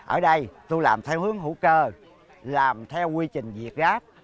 ở đây tôi làm theo hướng hữu cơ làm theo quy trình việt gáp